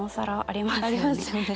ありますよね。